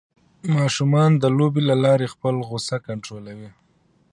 ماشومان د لوبو له لارې خپل غوسه کنټرولوي.